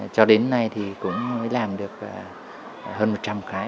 cho đến nay thì cũng mới làm được hơn một trăm linh cái